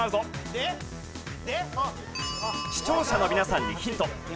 視聴者の皆さんにヒント。